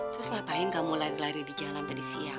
terus ngapain kamu lari di jalan tadi siang